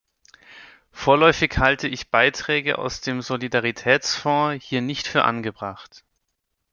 Vorläufig halte ich Beiträge aus dem Solidaritätsfonds hier nicht für angebracht.